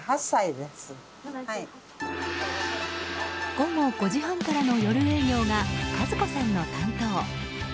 午後５時半からの夜営業が和子さんの担当。